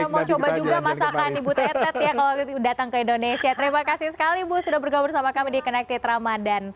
kita mau coba juga masakan ibu tetet ya kalau datang ke indonesia terima kasih sekali ibu sudah bergabung sama kami di kenaik tidak ramadhan